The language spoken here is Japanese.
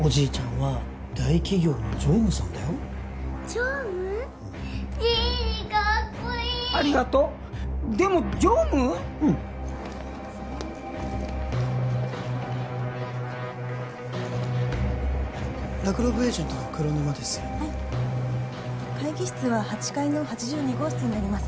はい会議室は８階の８２号室になります